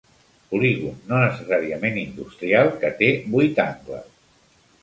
Polígon, no necessàriament industrial, que té vuit angles.